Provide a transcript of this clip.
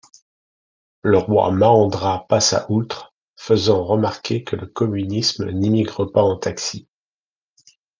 Le roi Mahendra passa outre, faisant remarquer que le communisme n'immigre pas en taxi.